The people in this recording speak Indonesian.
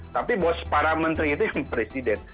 tapi bos para menteri itu yang presiden